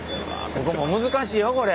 ここも難しいよこれ。